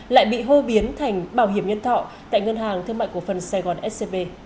lại bị hô biến thành bảo hiểm nhân thọ tại ngân hàng thương mại cổ phần sài gòn scb